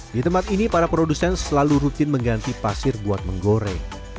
di tempat ini para produsen selalu rutin mengganti pasir buat menggoreng